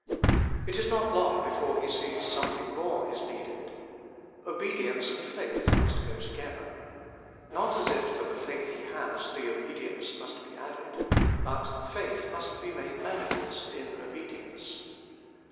It is not long before he sees something more is needed. Obedience and faith must go together. Not as if to the faith he has the obedience must be added, but faith must be made manifest in obedience.